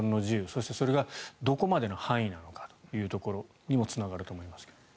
そして、それがどこまでの範囲なのかというところにもつながると思いますが。